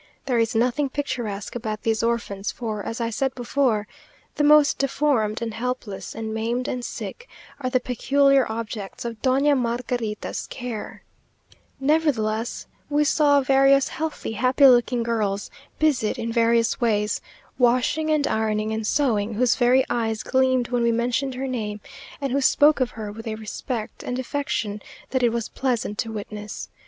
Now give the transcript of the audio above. There is nothing picturesque about these orphans, for, as I said before, the most deformed and helpless, and maimed and sick, are the peculiar objects of Doña Margarita's care; nevertheless, we saw various healthy, happy looking girls, busied in various ways, washing and ironing, and sewing, whose very eyes gleamed when we mentioned her name, and who spoke of her with a respect and affection that it was pleasant to witness.